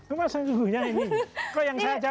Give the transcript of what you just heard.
emak sesungguhnya ini kok yang saya ajak